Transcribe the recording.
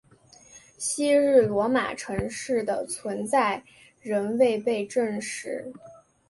昔日罗马城市的存在仍未被证实。